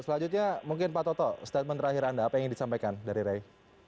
selanjutnya mungkin pak toto statement terakhir anda apa yang ingin disampaikan dari rey